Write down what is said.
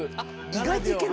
意外といけるんだ。